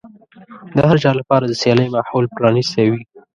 د هر چا لپاره د سيالۍ ماحول پرانيستی وي.